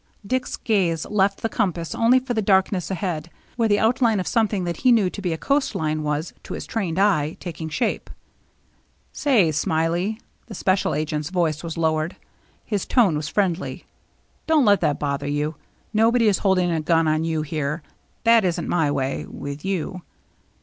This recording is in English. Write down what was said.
Dick's gaze left the compass only for the darkness ahead, where the outline of something that he knew to be a coast line was, to his trained eye, taking shape. 242 THE MERRT JNNE " Say, Smiley," — the special agent's voice was lowered ; his tone was friendly, —" don't let that bother you. Nobody is holding a gun on you here. That isn't my way — with you."